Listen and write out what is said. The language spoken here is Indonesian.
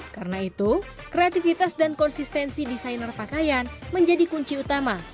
karena itu kreativitas dan konsistensi desainer pakaian menjadi kunci utama